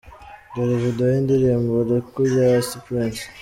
Dore Video y'indirimbo Oleku ya Ice Prince.